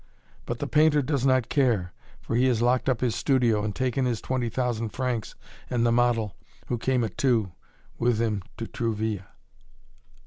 But the painter does not care, for he has locked up his studio, and taken his twenty thousand francs and the model who came at two with him to Trouville.